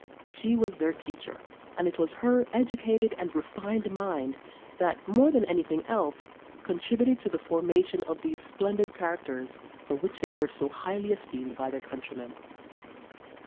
She was their teacher; and it was her educated and refined mind that, more than anything else, contributed to the formation of those splendid characters for which they were so highly esteemed by their countrymen.